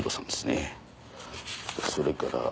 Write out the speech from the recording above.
それから。